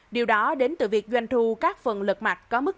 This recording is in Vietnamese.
điều đó đến từ việc doanh thu các phần lật mặt